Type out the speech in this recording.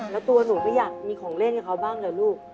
แล้วตัวหนูก็อยากมีของเล่นกับเขาบ้างเหรอลูก